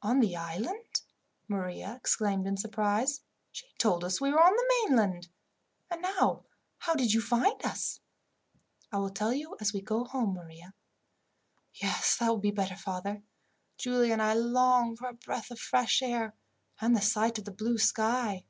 "On the island!" Maria exclaimed in surprise. "She told us we were on the mainland. And now, how did you find us?" "I will tell you as we go home, Maria." "Yes, that will be better, father. Giulia and I long for a breath of fresh air, and the sight of the blue sky."